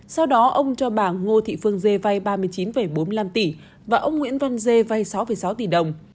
sau đó ông cho bà ngô thị phương dê vay ba mươi chín bốn mươi năm tỷ và ông nguyễn văn dê vay sáu sáu tỷ đồng